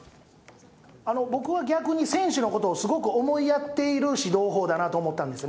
僕は逆に選手のことをすごく思いやっている指導法だなと思っあれ？